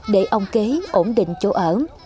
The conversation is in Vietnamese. để ông kế ổn định chỗ ở